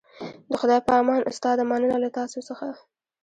د خدای په امان استاده مننه له تاسو څخه